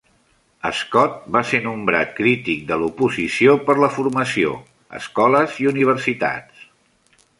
Scott va ser nombrat crític de l'oposició per la formació, escoles i universitats.